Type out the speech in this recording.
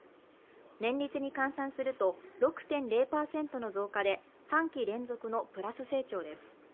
年率に換算すると６．０％の増加で３期連続のプラス成長です。